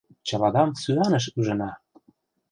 Чыладам сӱаныш ӱжына!